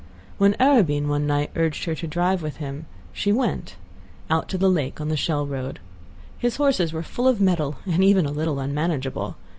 When Arobin, one night, urged her to drive with him, she went—out to the lake, on the Shell Road. His horses were full of mettle, and even a little unmanageable.